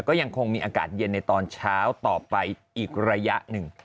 ก็ยังคงมีอากาศเย็นในตอนเช้าต่อไปอีกระยะหนึ่ง